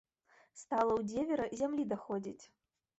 Стала ў дзевера зямлі даходзіць.